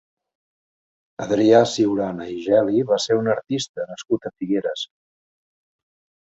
Adrià Ciurana i Geli va ser un artista nascut a Figueres.